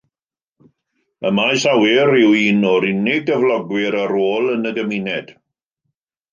Y maes awyr yw un o'r unig gyflogwyr ar ôl yn y gymuned.